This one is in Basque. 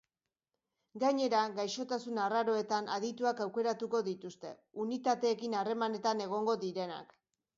Gainera, gaixotasun arraroetan adituak aukeratuko dituzte, unitateekin harremanetan egongo direnak.